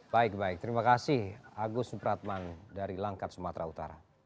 baik baik terima kasih agus supratman dari langkat sumatera utara